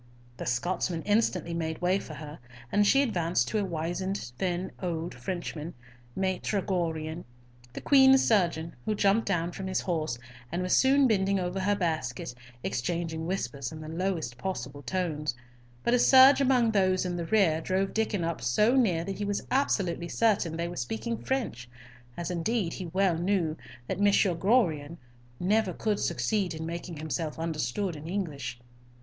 The Scotsman instantly made way for her, and she advanced to a wizened thin old Frenchman, Maitre Gorion, the Queen's surgeon, who jumped down from his horse, and was soon bending over her basket exchanging whispers in the lowest possible tones; but a surge among those in the rear drove Diccon up so near that he was absolutely certain that they were speaking French, as indeed he well knew that M. Gorion never could succeed in making himself understood in English.